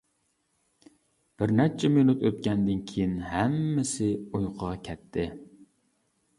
بىر نەچچە مىنۇت ئۆتكەندىن كېيىن ھەممىسى ئۇيقۇغا كەتتى.